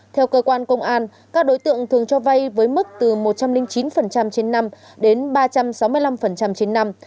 theo cơ quan công an các đối tượng thường cho vay với mức từ một trăm linh chín trên năm đến ba trăm sáu mươi năm trên năm